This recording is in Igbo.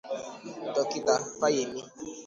Dọkịta Fayemi